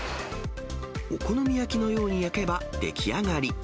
お好み焼きのように焼けば出来上がり。